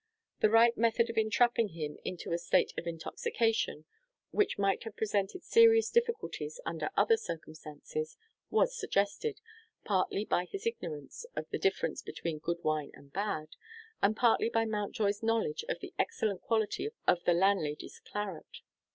The right method of entrapping him into a state of intoxication (which might have presented serious difficulties under other circumstances) was suggested, partly by his ignorance of the difference between good wine and bad, and partly by Mountjoy's knowledge of the excellent quality of the landlady's claret.